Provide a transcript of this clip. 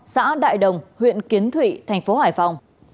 xã đại đồng huyện kiến thụy thành phố hải phòng